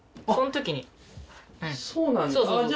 そうなんだ。